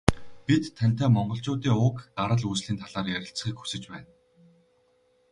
Бид тантай Монголчуудын уг гарал үүслийн талаар ярилцахыг хүсэж байна.